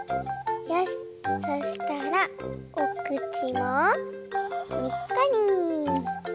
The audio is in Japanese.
しそしたらおくちをにっこり。